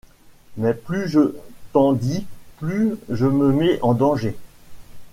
Mais plus je t'en dis plus je me mets en danger.